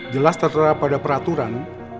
jelas tertera pada peraturan